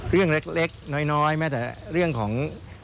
เรื่องเล็กน้อยแม้แต่เรื่องของ